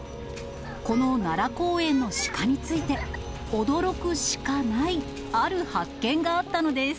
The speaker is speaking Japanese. この奈良公園のシカについて、驚くしかないある発見があったのです。